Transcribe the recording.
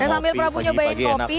dan sambil prabu cobain kopi